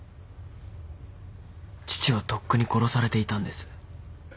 父はとっくに殺されていたんです。